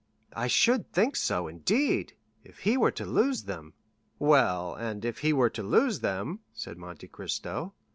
"I should think so, indeed! If he were to lose them——" "Well, and if he were to lose them?" said Monte Cristo.